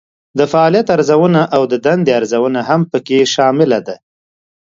د فعالیت ارزونه او د دندې ارزونه هم پکې شامله ده.